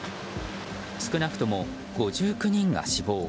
少なくとも５９人が死亡。